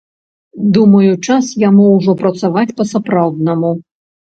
Думаю, час яму ўжо працаваць па-сапраўднаму.